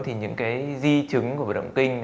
thì những di chứng của động kinh